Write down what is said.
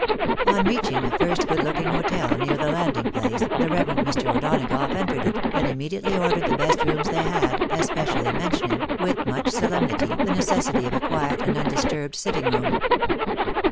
Ok reaching the first good looking hotel near the landing place, the reverend Mr. O'Donagough entered it, and immediately ordered the best rooms they had, especially mentioning, with much solemnity, the necessity of a quiet and undisturbed sitting room.